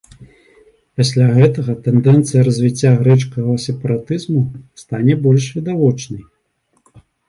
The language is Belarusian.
Пасля гэтага тэндэнцыя развіцця грэчкавага сепаратызму стане больш відавочнай.